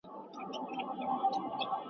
غازي امان الله خان د پښتنو او افغانانو ویاړ دی.